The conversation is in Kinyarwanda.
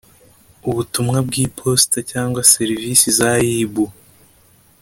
ubutumwa bw iposita cyangwa serivisi za ribu